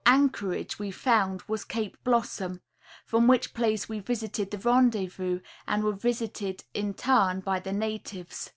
anchorage we found was Cape Blossom, from which place we visited the rendezvous and were visited in turn by the natives.